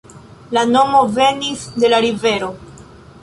La nomo venis de la rivero.